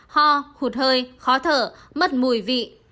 ho hụt hơi khó thở mất mùi vị